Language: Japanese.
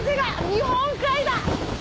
日本海だ！